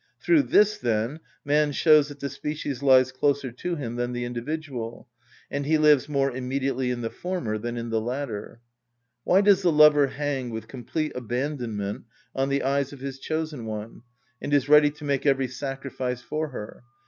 Through this, then, man shows that the species lies closer to him than the individual, and he lives more immediately in the former than in the latter. Why does the lover hang with complete abandonment on the eyes of his chosen one, and is ready to make every sacrifice for her?